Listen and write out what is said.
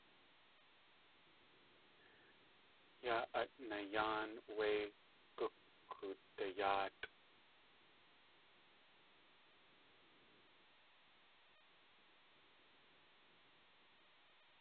Yaa at nayáan wé gukkudayáatʼ.